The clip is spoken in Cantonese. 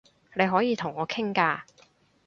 你可以同我傾㗎